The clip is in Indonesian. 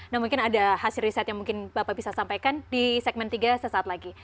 nah mungkin ada hasil riset yang mungkin bapak bisa sampaikan di segmen tiga sesaat lagi